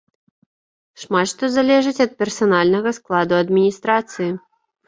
Шмат што залежыць ад персанальнага складу адміністрацыі.